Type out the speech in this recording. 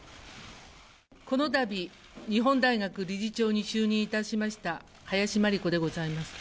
このたび、日本大学理事長に就任いたしました林真理子でございます。